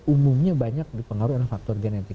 umumnya banyak dipengaruhi oleh faktor genetik